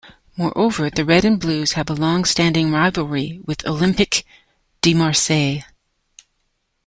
Moreover, the Red-and-Blues have a long-standing rivalry with Olympique de Marseille.